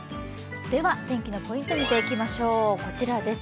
天気のポイントを見ていきましょう、こちらです。